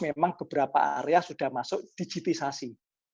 memang beberapa area sudah masuk digitalisasi